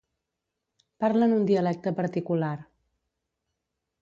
Parlen un dialecte particular.